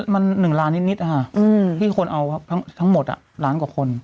มัน๑ล้านนิดที่คนเอาครับทั้งหมดล้านกว่าคน